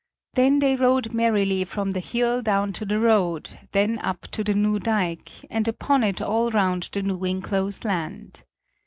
Then they rode merrily from the hill down to the road, then up to the new dike, and upon it all round the new enclosed land.